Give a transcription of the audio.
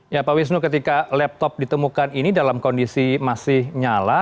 ya pak wisnu ketika laptop ditemukan ini dalam kondisi masih nyala